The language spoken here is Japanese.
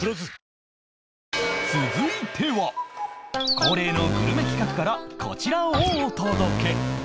恒例のグルメ企画からこちらをお届け